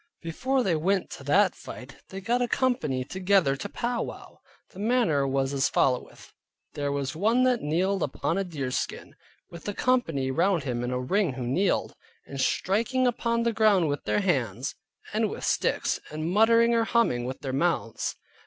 Before they went to that fight they got a company together to pow wow. The manner was as followeth: there was one that kneeled upon a deerskin, with the company round him in a ring who kneeled, and striking upon the ground with their hands, and with sticks, and muttering or humming with their mouths.